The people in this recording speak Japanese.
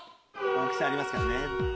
大きさありますからね。